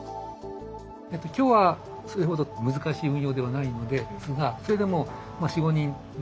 今日はそれほど難しい運用ではないのですがそれでも４５人で運用していて。